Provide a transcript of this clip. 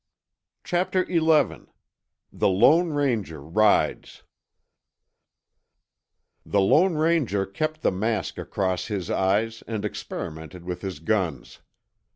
Chapter XI THE LONE RANGER RIDES The lone ranger kept the mask across his eyes and experimented with his guns.